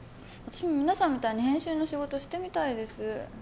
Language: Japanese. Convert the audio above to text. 私も皆さんみたいに編集の仕事してみたいです